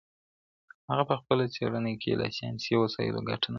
هغه په خپله څېړنه کې له ساینسي وسایلو ګټه نه اخلي.